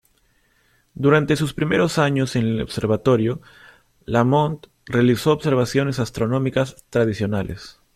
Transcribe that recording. Durante sus primeros años en el observatorio, Lamont realizó observaciones astronómicas tradicionales.